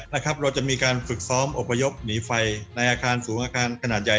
ทุกปีเราจะมีการฝึกซ้อมอุปจับหนีไฟในสูงอาคารขนาดใหญ่